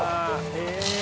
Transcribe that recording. へえ！